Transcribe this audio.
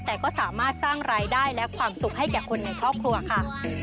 แต่ก็สามารถสร้างรายได้และความสุขให้แก่คนในครอบครัวค่ะ